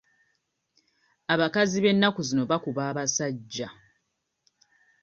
Abakazi b'ennaku zino bakuba abasajja.